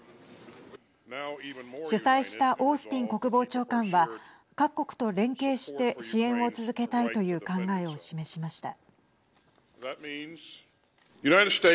主催したオースティン国防長官は各国と連携して支援を続けたいという考えを示しました。